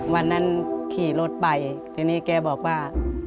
วันนั้นขี่รถไปทีนี้แกบอกว่า